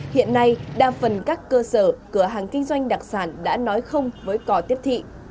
hiện nay đa phần các cơ sở cửa hàng kinh doanh đặc sản đã nói không với cò tiếp thị